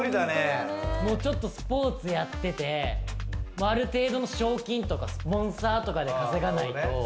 ちょっとスポーツやってて、ある程度の賞金とか、スポンサーとかで稼がないと。